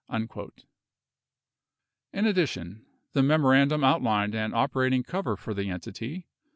44 In addition, the memorandum outlined an operating cover for the entity.